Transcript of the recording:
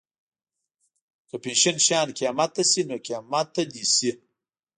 که فیشن شيان قیمته شي نو قیمته دې شي.